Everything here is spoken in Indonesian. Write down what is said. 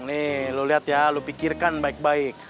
nih lu liat ya lu pikirkan baik baik